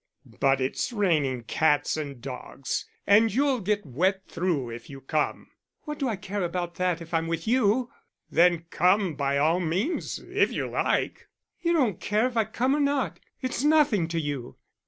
"But it's raining cats and dogs, and you'll get wet through, if you come." "What do I care about that if I'm with you!" "Then come by all means if you like." "You don't care if I come or not; it's nothing to you."